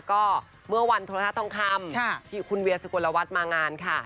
ก็เมื่อวันธุรกาศทองคำคุณเวียสักวันละวัฒน์มางานค่ะ